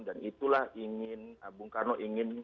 dan itulah ingin bung karno ingin